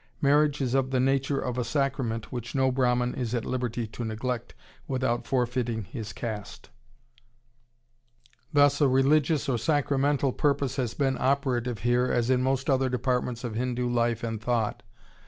Marriage is of the nature of a sacrament which no Brahmin is at liberty to neglect without forfeiting his caste."... Thus a religious or sacramental purpose has been operative here, as in most other departments of Hindu life and thought....